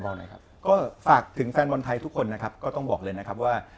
ไหนครับก็ฝากถึงแฟนบอลไทยทุกคนนะครับก็ต้องบอกเลยนะครับว่า